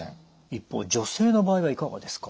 一方女性の場合はいかがですか？